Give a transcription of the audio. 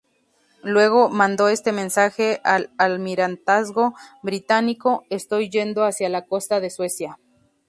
Luego, mandó este mensaje al Almirantazgo Británico: "Estoy yendo hacia la costa de Suecia".